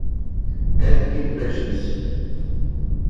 Ask big questions.